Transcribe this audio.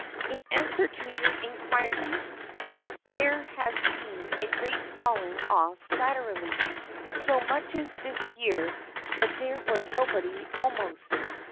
In anser to your Innqueries, their as been a great falling off laterally, so muches this year that there was nobody allmost.